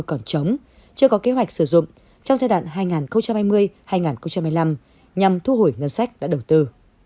còn chống chưa có kế hoạch sử dụng trong giai đoạn hai nghìn hai mươi hai nghìn hai mươi năm nhằm thu hồi ngân sách đã đầu tư